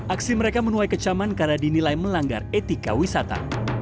aksi mereka menuai kecaman karena dinilai melanggar etika wisata